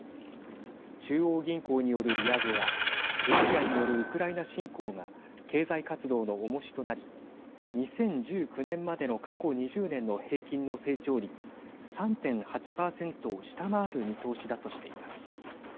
中央銀行による利上げやロシアによるウクライナ侵攻が経済活動の重しとなり２０１９年までの過去２０年の平均の成長率３．８％を下回る見通しだとしています。